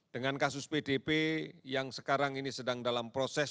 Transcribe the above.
dengan kasus pdp yang sekarang ini sedang dalam proses